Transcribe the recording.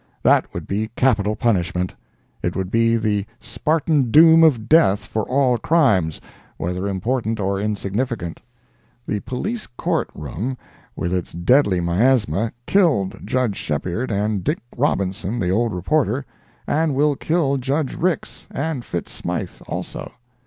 That would be capital punishment—it would be the Spartan doom of death for all crimes, whether important or insignificant. The Police Court room, with its deadly miasma, killed Judge Shepheard and Dick Robinson, the old reporter, and will kill Judge Rix, and Fitz Smythe also.